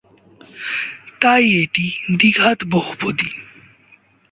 তাই এটি দ্বিঘাত বহুপদী।